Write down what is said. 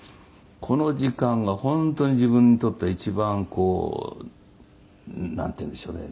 「この時間が本当に自分にとって一番こうなんていうんでしょうね。